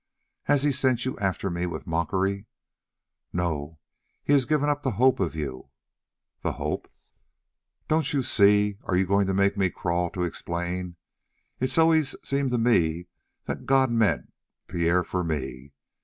"Has he sent you after me with mockery?" "No, he's given up the hope of you." "The hope?" "Don't you see? Are you going to make me crawl to explain? It always seemed to me that God meant Pierre for me.